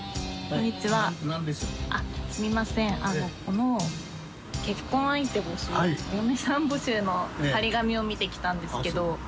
この「結婚相手募集」お嫁さん募集の貼り紙を見て来たんですけど。